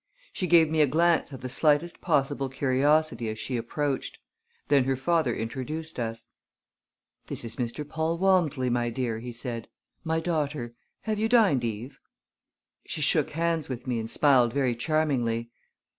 She gave me a glance of the slightest possible curiosity as she approached. Then her father introduced us. "This is Mr. Paul Walmsley, my dear," he said "my daughter. Have you dined, Eve?" She shook hands with me and smiled very charmingly.